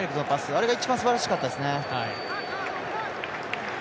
あれが一番すばらしかったですね。